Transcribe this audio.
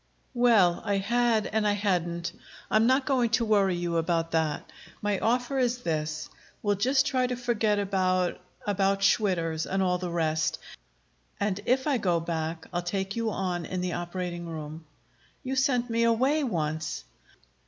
"Well, I had and I hadn't. I'm not going to worry you about that. My offer is this: We'll just try to forget about about Schwitter's and all the rest, and if I go back I'll take you on in the operating room." "You sent me away once!"